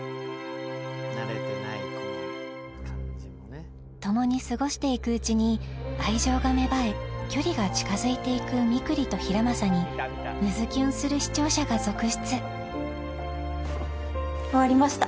はい共に過ごしていくうちに愛情が芽生え距離が近づいていくみくりと平匡にムズキュンする視聴者が続出終わりました